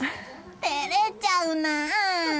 照れちゃうな。